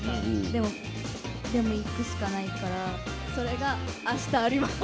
でも、でも行くしかないから、それがあしたあります。